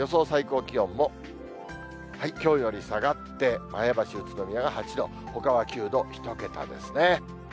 最高気温も、きょうより下がって、前橋、宇都宮が８度、ほかは９度、１桁ですね。